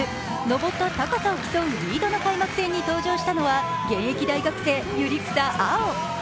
登った高さを競うリードの開幕戦に登場したのは現役大学生・百合草碧皇。